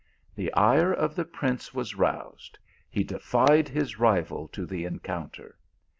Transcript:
The ire of the prince was roused ; he defied his rival to the encounter.